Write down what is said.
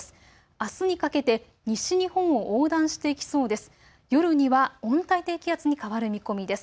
あすにかけて西日本を横断していきそうです。